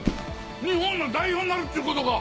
日本の代表になるっちゅうことか！